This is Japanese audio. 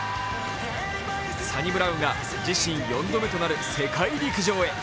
サニブラウンが自身４度目となる世界陸上へ。